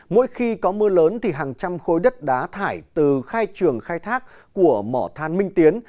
mỗi khi có mưa lớn thì hàng trăm khối đất đá thải từ khai trường khai thác của mỏ than minh tiến